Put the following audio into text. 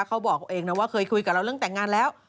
เขาบอกเองนะว่าเคยคุยกับเราเรื่องแต่งงานแล้ว